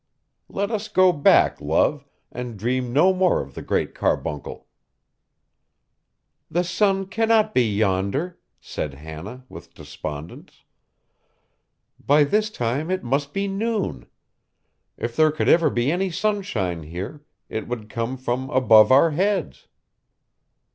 Let us go back, love, and dream no more of the Great Carbuncle!' 'The sun cannot be yonder,' said Hannah, with despondence. 'By this time it must be noon. If there could ever be any sunshine here, it would come from above our heads.